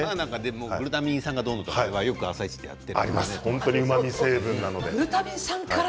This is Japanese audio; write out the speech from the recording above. グルタミン酸がどうのとかは、よく「あさイチ」でやっているから。